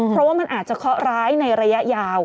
เพราะว่ามันอาจจะเคาะร้ายในระยะยาว